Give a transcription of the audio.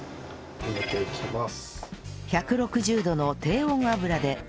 入れていきます。